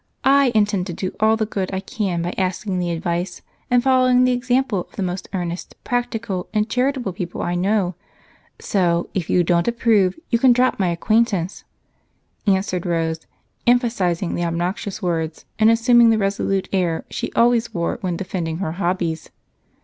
I intend to do all the good I can by asking the advice and following the example of the most 'earnest,' 'practical,' and 'charitable' people I know so, if you don't approve, you can drop my acquaintance," answered Rose, emphasizing the obnoxious words and assuming the resolute air she always wore when defending her hobbies.